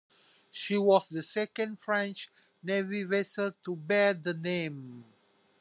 She was the second French Navy vessel to bear the name.